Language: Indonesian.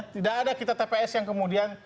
tidak ada kita tps yang kemudian